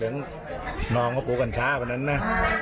สึ่งแกทูจับเพราะ